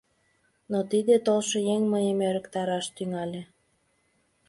Но тиде толшо еҥ мыйым ӧрыктараш тӱҥале.